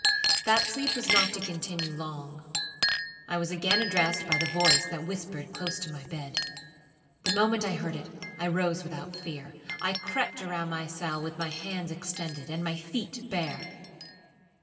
That sleep was not to continue long. I was again addressed by the voice that whispered close to my bed. The moment I heard it, I rose without fear. I crept around my cell with my hands extended, and my feet bare.